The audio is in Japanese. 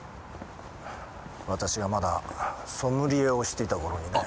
私がまだソムリエをしていた頃にね。